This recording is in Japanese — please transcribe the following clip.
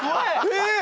えっ？